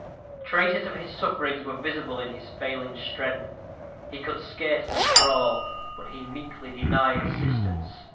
Traces of his sufferings were visible in his failing strength. He could scarcely crawl; but he meekly declined assistance.